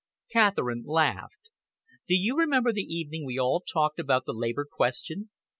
Catherine laughed. "Do you remember the evening we all talked about the Labour question?